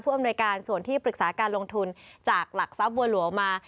อำนวยการส่วนที่ปรึกษาการลงทุนจากหลักทรัพย์บัวหลวงมา